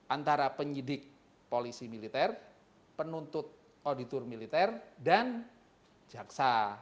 antara penyidik polisi militer penuntut auditor militer dan jaksa